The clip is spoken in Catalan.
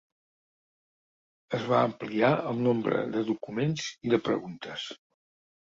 Es va ampliar el nombre de documents i de preguntes.